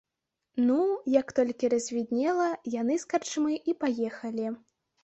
Ну, як толькі развіднела, яны з карчмы і паехалі.